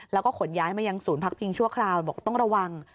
แล้วก็ขนย้ายมายังศูนย์พักพิงชั่วคราวบอกต้องระวัง